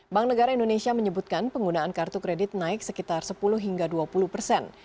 bank negara indonesia menyebutkan penggunaan kartu kredit naik sekitar sepuluh hingga dua puluh persen